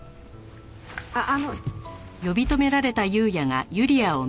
あっあの。